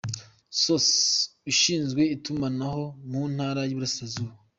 Source : Ushinzwe Itumanaho mu Ntara y’Iburasirazuba.